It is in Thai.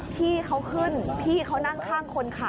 พี่เขาขึ้นพี่เขานั่งข้างคนขับ